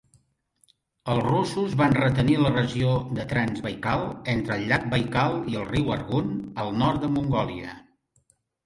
Els russos van retenir la regió de Transbaikal entre el llac Baikal i el riu Argun, al nord de Mongòlia.